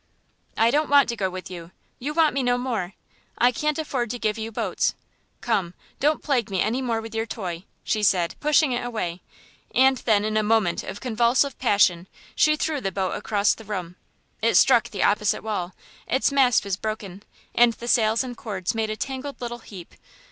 "I don't want to go with you. You want me no more. I can't afford to give you boats.... Come, don't plague me any more with your toy," she said, pushing it away, and then in a moment of convulsive passion she threw the boat across the room. It struck the opposite wall, its mast was broken, and the sails and cords made a tangled little heap.